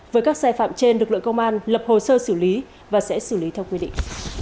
với các sai phạm trên lực lượng công an lập hồ sơ xử lý và sẽ xử lý theo quy định